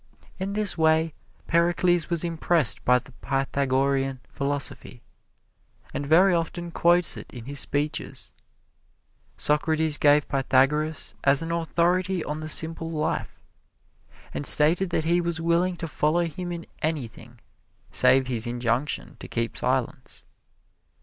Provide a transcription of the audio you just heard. In this way Pericles was impressed by the Pythagorean philosophy, and very often quotes it in his speeches. Socrates gave Pythagoras as an authority on the simple life, and stated that he was willing to follow him in anything save his injunction to keep silence.